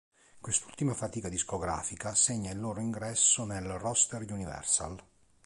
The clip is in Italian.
Quest’ultima fatica discografica segna il loro ingresso nel roster Universal.